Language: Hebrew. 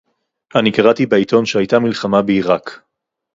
אני קראתי בעיתון שהיתה מלחמה בעירק